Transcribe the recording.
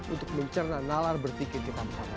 untuk mencerna nalar berpikir kita bersama